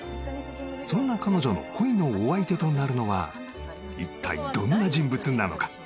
そんな彼女の恋のお相手となるのは一体どんな人物なのか？